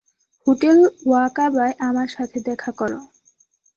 Hotel ওয়াকাবায় আমার সাথে দেখা করো।